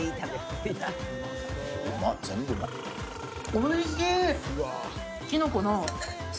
おいしい。